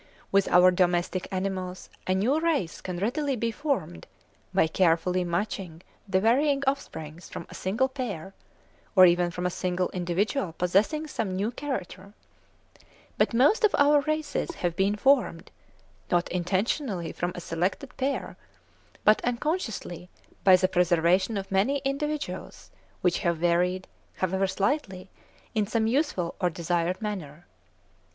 With our domestic animals a new race can readily be formed by carefully matching the varying offspring from a single pair, or even from a single individual possessing some new character; but most of our races have been formed, not intentionally from a selected pair, but unconsciously by the preservation of many individuals which have varied, however slightly, in some useful or desired manner.